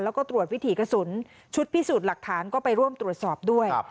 แล้วก็ตรวจวิถีกระสุนชุดพิสูจน์หลักฐานก็ไปร่วมตรวจสอบด้วย